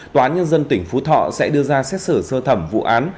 toán nhân dân tỉnh phú thọ sẽ đưa ra xét xử sơ thẩm vụ án